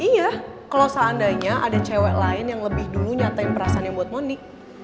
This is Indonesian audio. iya kalau seandainya ada cewek lain yang lebih dulu nyatain perasaan yang buat monik